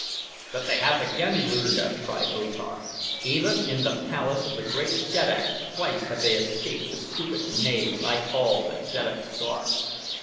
"But they have again eluded us," cried O Tar. "Even in the palace of the great jeddak twice have they escaped the stupid knaves I call The Jeddak's Guard."